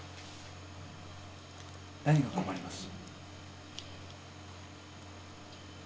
何が困ります？